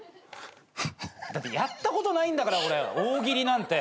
だってやったことないんだから俺大喜利なんて。